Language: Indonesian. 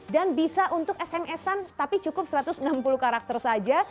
dan bisa untuk sms an tapi cukup satu ratus enam puluh karakter saja